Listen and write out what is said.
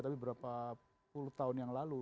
tapi berapa puluh tahun yang lalu